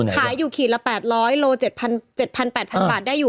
ขายอยู่ขีดละ๘๐๐โล๗๐๐๘๐๐บาทได้อยู่